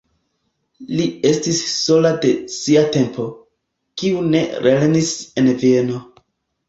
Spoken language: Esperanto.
Li estis sola de sia tempo, kiu ne lernis en Vieno.